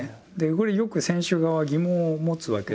これよく選手側は疑問を持つわけですね。